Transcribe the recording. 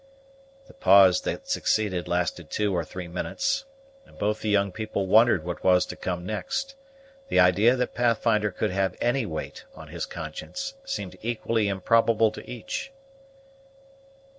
The pause that succeeded lasted two or three minutes, and both the young people wondered what was to come next; the idea that Pathfinder could have any weight on his conscience seeming equally improbable to each.